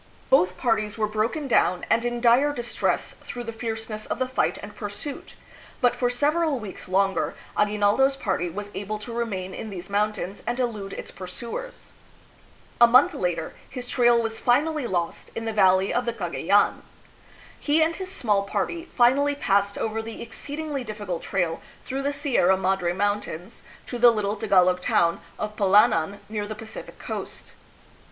Both parties were broken down and in dire distress through the fierceness of the fight and pursuit, but for several weeks longer Agui naldo 's party was able to remain in these mountains and elude its pursuers. A month later, his trail was finally lost in the valley of the Cagayan. He and his small party finally passed over the exceedingly difficult trail through the General Pilar. AMERICA AND THE PHILIPPINES. 305 Sierra Madre Mountains, to the little Tagdlog town of Palanan near the Pacific coast.